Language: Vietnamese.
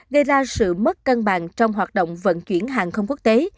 gây ra sự mất cân bằng trong hoạt động vận chuyển hàng không quốc tế